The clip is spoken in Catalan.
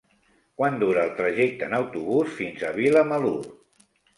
Quant dura el trajecte en autobús fins a Vilamalur?